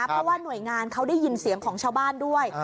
เพราะว่าหน่วยงานเขาได้ยินเสียงของชาวบ้านด้วย